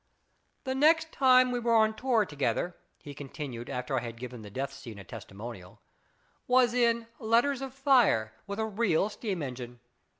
" The next time we were on tour together," he continued, after I had given the death scene a testimonial, " was in ' Letters of Fire,' with a real steam engine.